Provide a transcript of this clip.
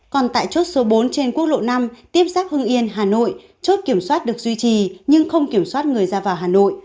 còn tại chốt số bốn trên quốc lộ năm tiếp giáp hưng yên hà nội chốt kiểm soát được duy trì nhưng không kiểm soát người ra vào hà nội